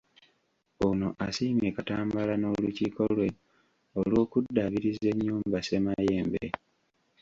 Ono asiimye Katambala n'olukiiko lwe olw'okuddaabiriza ennyumba Ssemayembe.